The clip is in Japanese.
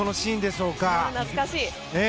懐かしい！